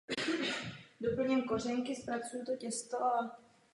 Ještě před ústím se na ni připojuje její největší přítok.